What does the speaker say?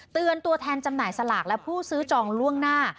ตัวแทนจำหน่ายสลากและผู้ซื้อจองล่วงหน้า